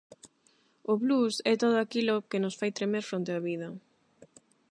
O blues é todo aquilo que nos fai tremer fronte á vida.